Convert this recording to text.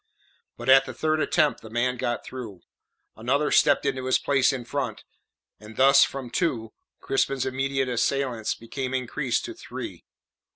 But at the third attempt the man got through, another stepped into his place in front, and thus from two, Crispin's immediate assailants became increased to three.